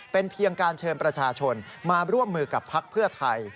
เป็นเพียงการเชิญประชาชนมาร่วมมือกับพักเพื่อไทย